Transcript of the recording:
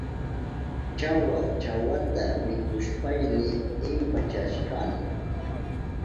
Chawa chawata mikushpayni impachashkani.